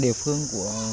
đây là hốp hăng rào